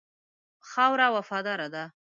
خاوره وفاداره ده.